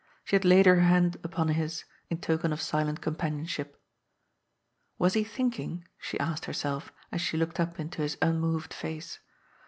She had laid her hand upon his, in token of silent companionship. " Was he thinking ?" she asked herself as she looked up into his unmoved face.